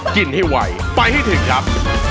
กินให้ไวไปให้ถึงครับ